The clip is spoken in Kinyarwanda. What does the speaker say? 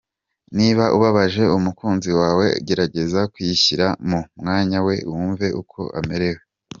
Niba ubabaje umukunzi wawe, gerageza kwishyira mu mwanya we wumve uko amerewe.